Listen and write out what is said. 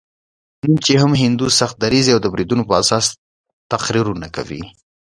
نن چې هم هندو سخت دریځي د بریدونو په اساس تقریرونه کوي.